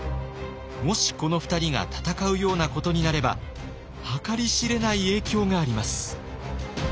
もしこの２人が戦うようなことになれば計り知れない影響があります。